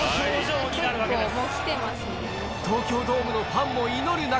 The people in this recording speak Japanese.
東京ドームのファンも祈る中